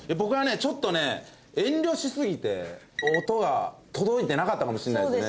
ちょっとね遠慮しすぎて音が届いてなかったかもしれないですね。